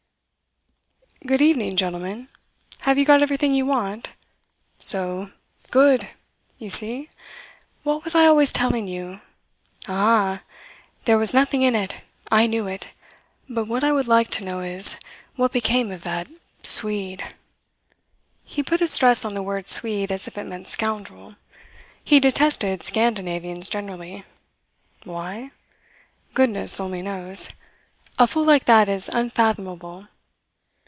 "Good evening, gentlemen. Have you got everything you want? So! Good! You see? What was I always telling you? Aha! There was nothing in it. I knew it. But what I would like to know is what became of that Swede." He put a stress on the word Swede as if it meant scoundrel. He detested Scandinavians generally. Why? Goodness only knows. A fool like that is unfathomable.